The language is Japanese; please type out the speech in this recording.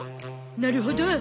なるほど。